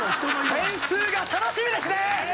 点数が楽しみですね！